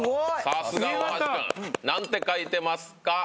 さすが大橋君何て書いてますか？